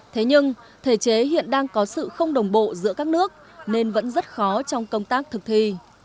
thế nhưng thể chế hiện đang có sự không đồng bộ giữa các nước nên vẫn rất khó trong công tác thực thi